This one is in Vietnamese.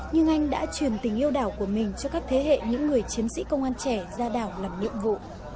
nhưng anh đã truyền tình yêu đảo của mình cho các thế hệ những người chiến sĩ công an trẻ ra đảo làm nhiệm vụ